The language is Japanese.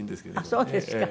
そうですか。